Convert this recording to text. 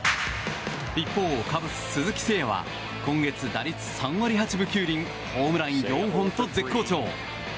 一方、カブス鈴木誠也は今月、打率３割８分９厘ホームラン４本と絶好調。